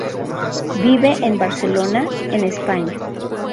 Vive en Barcelona en España.